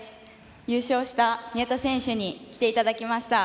優勝した宮田選手に来ていただきました。